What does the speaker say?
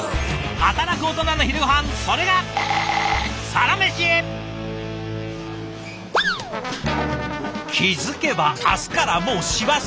働くオトナの昼ごはんそれが気付けば明日からもう師走。